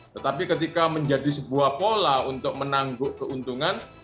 tetapi ketika menjadi sebuah pola untuk menangguk keuntungan